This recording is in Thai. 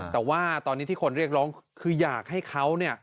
แต่ว่าตอนนี้ที่คนเรียกร้องคืออยากให้เขาเนี่ย